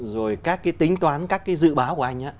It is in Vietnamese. rồi các cái tính toán các cái dự báo của anh